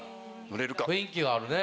雰囲気はあるね。